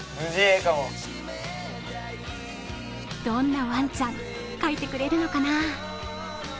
どんなワンちゃん、描いてくれるのかな？